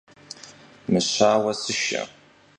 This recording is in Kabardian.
Mışaue sışşe!